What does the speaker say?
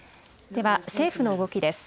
では政府の動きです。